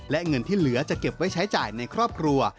และเงินที่เหลือจะเก็บไว้ใช้จ่ายในครอบครัว